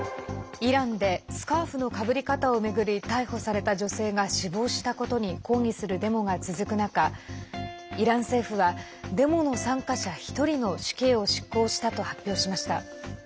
イランでスカーフのかぶり方を巡り逮捕された女性が死亡したことに抗議するデモが続く中イラン政府はデモの参加者１人の死刑を執行したと発表しました。